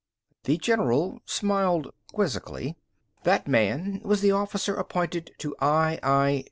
The general smiled quizzically. That man was the officer appointed to I. I.